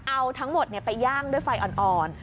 เอาทั้งหมดไปย่างด้วยไฟอ่อน